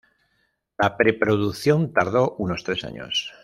La pre-producción tardó unos tres años.